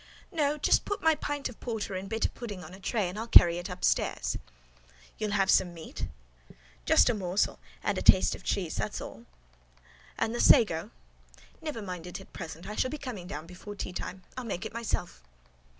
"No; just put my pint of porter and bit of pudding on a tray, and I'll carry it upstairs." "You'll have some meat?" "Just a morsel, and a taste of cheese, that's all." "And the sago?" "Never mind it at present: I shall be coming down before teatime: I'll make it myself."